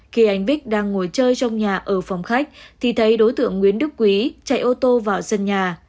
khi anh bích đang ngồi chơi trong nhà ở phòng khách thì thấy đối tượng nguyễn đức quý chạy ô tô vào sân nhà